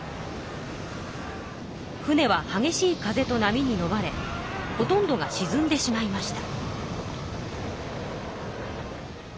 船ははげしい風と波にのまれほとんどがしずんでしまいました。